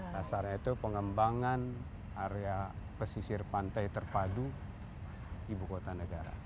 dasarnya itu pengembangan area pesisir pantai terpadu ibu kota negara